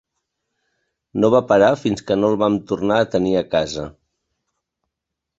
No va parar fins que no el vam tornar a tenir a casa.